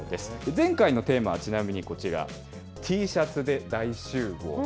前回のテーマはちなみにこちら、Ｔシャツで大集合！と。